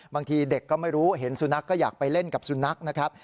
บางทีเด็กก็ไม่รู้เห็นสุนัขก็อยากไปเล่นกับสุนัขนะครับ